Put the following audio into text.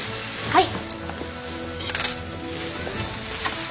はい。